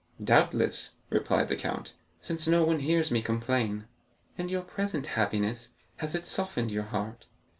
"Doubtless," replied the count, "since no one hears me complain." "And your present happiness, has it softened your heart?"